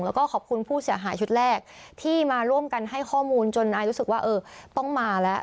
แล้วก็ขอบคุณผู้เสียหายชุดแรกที่มาร่วมกันให้ข้อมูลจนอายรู้สึกว่าเออต้องมาแล้ว